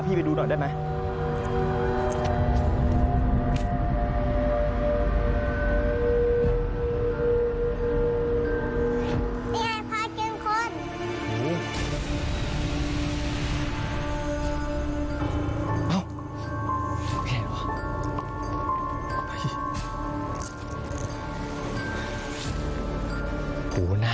พี่จะไปไหน